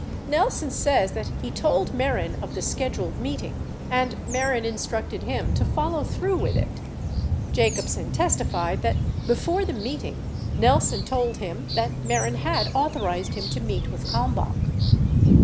Nelson says that he told Mehren of the scheduled meeting and Mehren instructed him to follow through with it; Jacobsen testified that before the meeting Nelson told him that Mehren had authorized him to meet with Kalmbach.